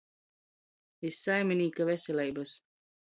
Iz saiminīka veseleibys!